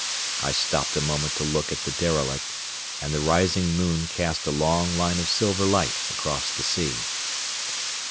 I stopped a moment to look at the derelict, and the rising moon cast a long line of silver light across the sea.